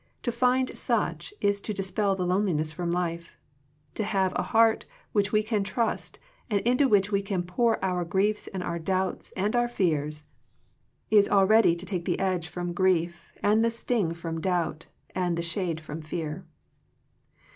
To find such, is to dispel the loneliness from life. To have a heart which we can trust, and into which we can pour our griefs and our doubts and our fears, is already to take the edge from 69 Digitized by VjOOQIC THE FRUITS OF FRIENDSHIP grief, and the sting from doubt, and the shade from fear.